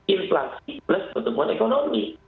inflasi plus pertumbuhan ekonomi